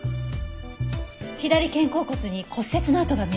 左肩甲骨に骨折の痕が見られました。